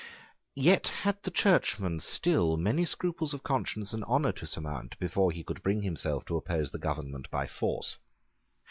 Yet had the Churchman still many scruples of conscience and honour to surmount before he could bring himself to oppose the government by force.